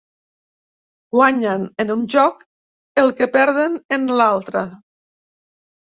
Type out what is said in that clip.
Guanyen en un joc el que perden en l'altre.